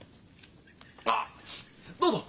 あっどうぞ！